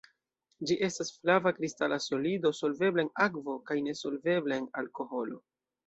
Ĝi estas flava kristala solido, solvebla en akvo kaj nesolvebla en alkoholo.